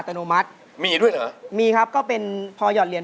ต้องบอกพี่ทีมนานด้วย